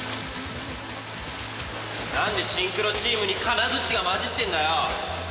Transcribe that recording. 何でシンクロチームに金づちが交じってんだよ。